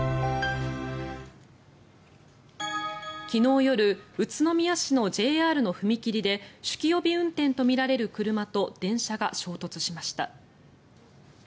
昨日夜宇都宮市のＪＲの踏切で酒気帯び運転とみられる車と電車が衝突しました。